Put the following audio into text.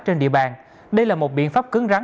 trên địa bàn đây là một biện pháp cứng rắ